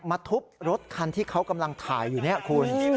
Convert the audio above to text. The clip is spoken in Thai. ทุบรถคันที่เขากำลังถ่ายอยู่เนี่ยคุณ